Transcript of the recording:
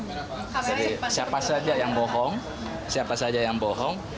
jadi siapa saja yang bohong siapa saja yang bohong